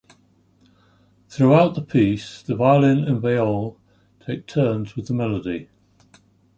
Throughout the piece, the violin and viol take turns with the melody.